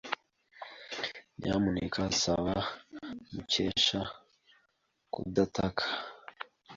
Nyamuneka saba Mukesha kudataka.